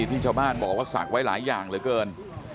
ที่ชาวบ้านบอกว่าศักดิ์ไว้หลายอย่างเหลือเกิน